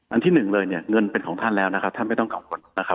ที่หนึ่งเลยเนี่ยเงินเป็นของท่านแล้วนะครับท่านไม่ต้องกังวลนะครับ